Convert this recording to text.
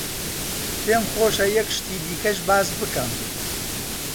پێم خۆشە یەک شتی دیکەش باس بکەم.